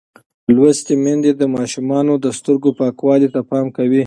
لوستې میندې د ماشومانو د سترګو پاکوالي ته پام کوي.